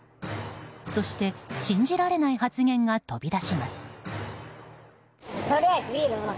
そして信じられない発言が飛び出します。